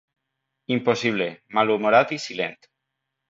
Impossible, malhumorat i silent.